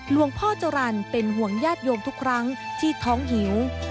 หลวงพ่อจรรย์เป็นห่วงญาติโยมทุกครั้งที่ท้องหิว